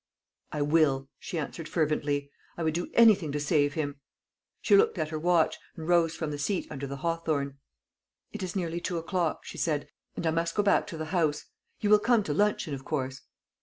"I will," she answered fervently. "I would do anything to save him." She looked at her watch, and rose from the seat under the hawthorn. "It is nearly two o'clock," she said, "and I must go back to the house. You will come to luncheon, of course?"